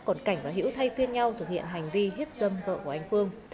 còn cảnh và hiễu thay phiên nhau thực hiện hành vi hiếp dâm vợ của anh phương